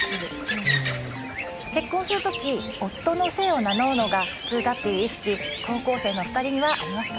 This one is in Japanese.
結婚する時夫の姓を名乗るのが普通だっていう意識高校生の２人にはありますか？